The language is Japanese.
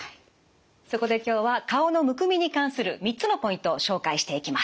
そこで今日は顔のむくみに関する３つのポイントを紹介していきます。